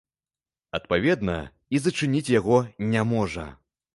Адпаведна, і зачыніць яго не можа.